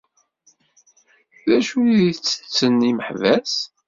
D acu i ttetten yimeḥbas?